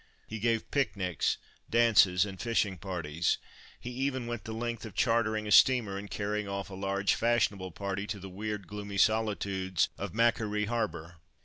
He gave picnics, dances and fishing parties. He even went the length of chartering a steamer and carrying off a large fashionable party to the weird, gloomy solitudes of Macquarie Harbour.